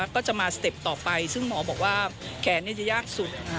ก็จะมาสเต็ปต่อไปซึ่งหมอบอกว่าแขนจะยากสุด